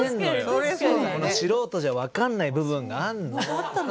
素人じゃ分かんない部分があんの。